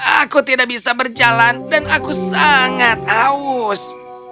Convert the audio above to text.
aku tidak bisa berjalan dan aku sangat haus